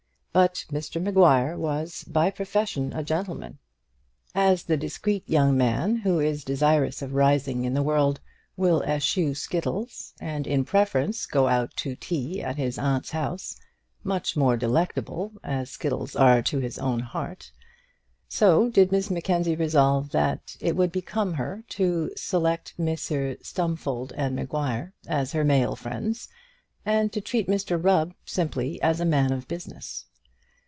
But Mr Maguire was by profession a gentleman. As the discreet young man, who is desirous of rising in the world, will eschew skittles, and in preference go out to tea at his aunt's house much more delectable as skittles are to his own heart so did Miss Mackenzie resolve that it would become her to select Messrs Stumfold and Maguire as her male friends, and to treat Mr Rubb simply as a man of business.